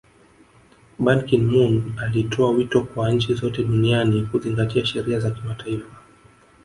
Ban Kin moon alitoa wito kwa nchi zote duniani kuzingatia sheria za kimataifa